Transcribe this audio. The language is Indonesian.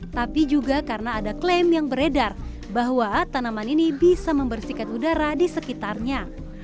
tapi juga karena ada klaim yang beredar bahwa tanaman ini bisa membersihkan udara di sekitarnya